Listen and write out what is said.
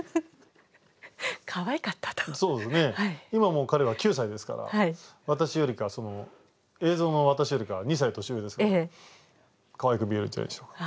今もう彼は９歳ですから私よりか映像の私よりかは２歳年上ですからかわいく見えるんじゃないでしょうか。